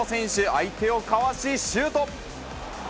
相手をかわし、シュート。